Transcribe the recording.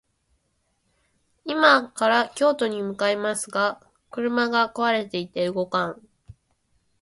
今から京都に向かいますが、車が壊れていて動かん